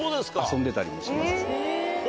遊んでたりもします。